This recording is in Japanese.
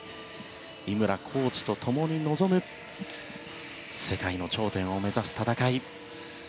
井村コーチと共に臨む世界の頂点を目指す戦い。